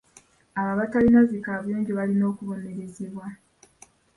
Abo abatalina zi kaabuyonjo balina okubonerezebwa.